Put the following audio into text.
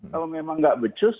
kalau memang nggak becus